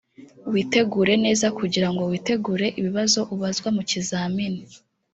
witegure neza kugira ngo witegure ibibazo uzabazwa mu kizamini